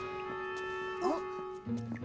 あっ。